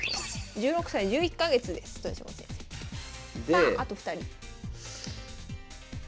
さああと２人。